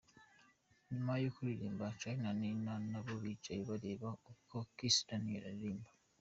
Nyuma yo kuririmba, Charly na Nina nabo bicaye bareba uko Kiss Daniel aririmba.